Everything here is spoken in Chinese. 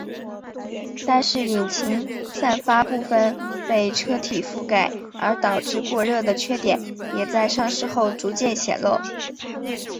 但是引擎散热部份被车体覆盖而导致过热的缺点也在上市后逐渐显露。